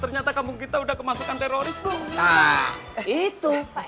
nah itu pak rt